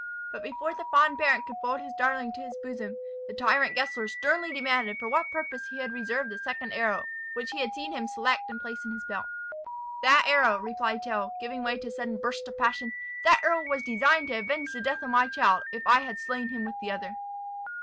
But before the fond parent could fold his darling to his bosom, the tyrant Gessler sternly demanded for what purpose he had reserved the second arrow, which he had seen him select and place in his belt. "That arrow," replied Tell, giving way to a sudden burst of passion, "that arrow was designed to avenge the death of my child, if I had slain him with the other."